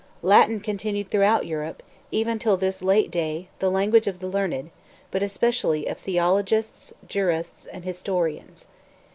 Latin continued throughout Europe, even till this late day, the language of the learned, but especially of theologians, jurists, and historians.